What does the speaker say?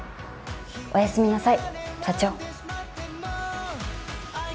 おやすみなさい社長。